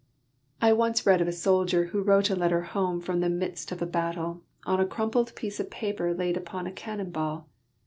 _ _Once I read of a soldier who wrote a letter home from the midst of a battle, on a crumpled piece of paper laid upon a cannon ball.